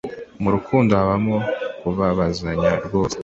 Murukundo habamo kubabazanya rwose